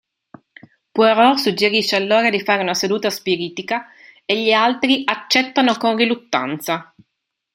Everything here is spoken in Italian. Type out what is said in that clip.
Poirot suggerisce allora di fare una seduta spiritica, e gli altri accettano con riluttanza.